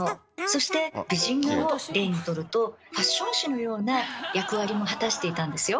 そして美人画を例にとるとファッション誌のような役割も果たしていたんですよ。